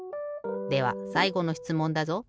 ではさいごのしつもんだぞ。